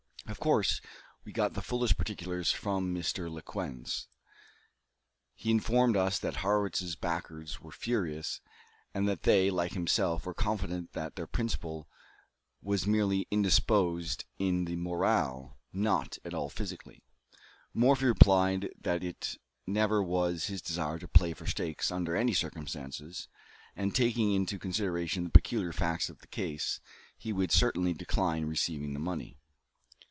Of course we got the fullest particulars from Mr. Lequesne. He informed us that Harrwitz's backers were furious, and that they, like himself, were confident that their principal was merely indisposed in the morale, not at all physically. Morphy replied that it never was his desire to play for stakes under any circumstances; and, taking into consideration the peculiar facts of the case, he would certainly decline receiving the money.